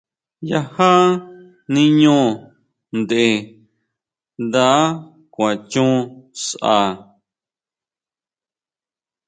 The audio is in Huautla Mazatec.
Yajá niño ntʼe, nda kuan chon sʼa.